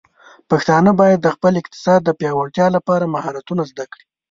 پښتانه بايد د خپل اقتصاد د پیاوړتیا لپاره مهارتونه زده کړي.